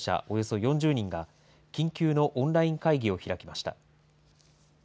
およそ４０人が緊急のオンライン会議を開きました。